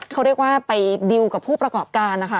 เขาเรียกว่าไปดิวกับผู้ประกอบการนะคะ